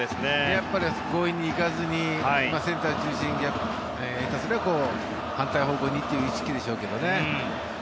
やっぱり強引にいかずにセンターを中心に下手すれば反対方向にという意識でしょうけどね。